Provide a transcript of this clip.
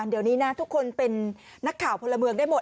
เดี๋ยวนี้นะทุกคนเป็นนักข่าวพลเมืองได้หมด